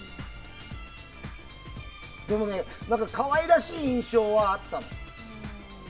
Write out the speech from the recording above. でも、可愛らしい印象はあったの。